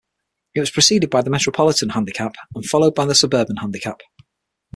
It was preceded by the Metropolitan Handicap and followed by the Suburban Handicap.